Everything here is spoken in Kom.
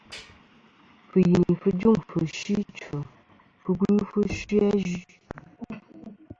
Fɨ̀yìnì fɨ jûŋfɨ̀ fsɨ ɨchfɨ, fɨ bɨfɨ fsɨ azue.